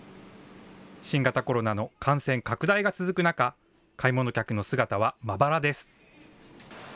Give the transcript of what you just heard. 新型コロナの感染拡大が続く中、買い物客の姿はまばらです。